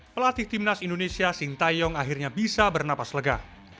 pelatih timnas indonesia sintayong akhirnya bisa bernapas lega